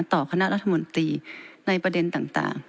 คณะรัฐมนตรีในประเด็นต่าง